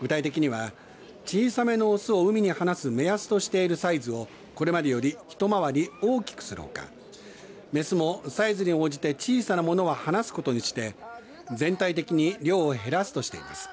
具体的には小さめの雄を海に放す目安としているサイズをこれまでより一回り大きくするほか雌もサイズに応じて小さなものは放すことにして全体的に量を減らすとしています。